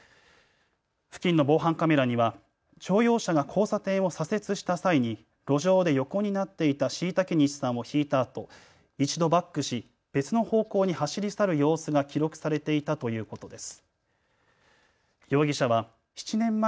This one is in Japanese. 付近の防犯カメラには乗用車が交差点を左折した際に路上で横になっていた後嵩西さんをひいたあと一度バックし別の方向に走り去る様子が記録されていたということです。